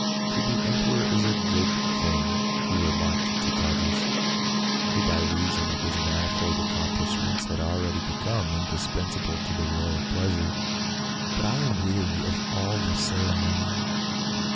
"To be emperor is a good thing," he remarked to Codrus, who by reason of his manifold accomplish ments had already become indispensable to the royal pleasure, " but I am weary of all this ceremonial.